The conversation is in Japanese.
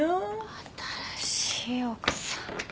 「新しい奥さん」って。